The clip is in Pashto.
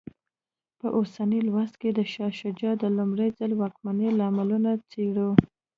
په اوسني لوست کې د شاه شجاع د لومړي ځل واکمنۍ لاملونه څېړو.